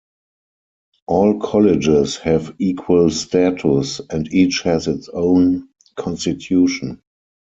All colleges have equal status, and each has its own constitution.